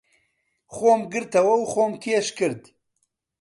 خۆم گرتەوە و خۆم کێش کرد.